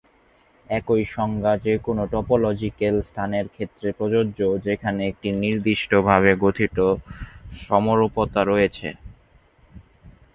একই সংজ্ঞা যে কোন টপোলজিক্যাল স্থানের ক্ষেত্রে প্রযোজ্য যেখানে একটি নির্দিষ্টভাবে গঠিত সমরূপতা রয়েছে।